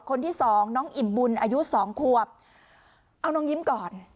คนที่สองน้องอิ่มบุญอายุสองขวบเอาน้องยิ้มก่อน